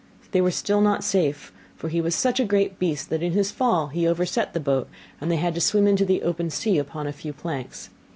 They were still not safe; for he was such a great beast that in his fall he overset the boat, and they had to swim in the open sea upon a few planks.